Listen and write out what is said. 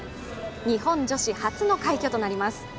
日本女子初の快挙となります。